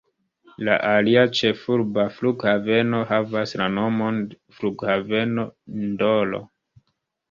La alia ĉefurba flughaveno havas la nomon flughaveno N’Dolo.